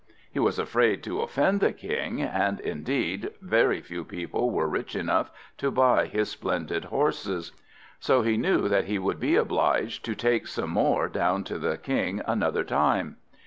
He was afraid to offend the King, and, indeed, very few people were rich enough to buy his splendid horses. So he knew that he would be obliged to take some more down to the King another time.